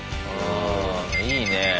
いいね。